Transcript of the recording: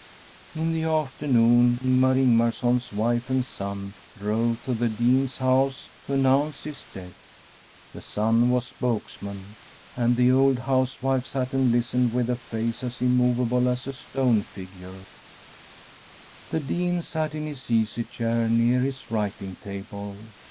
««««« In the afternoon Ingmar Ingmarson's wife and son drove to the Dean's house to announce his [305 1 From a SWEDISH HOMESTEAD death. The son was spokesman, and the old housewife sat and listened with a face as im movable as a stone figure. The Dean sat in his easy chair near his writing table.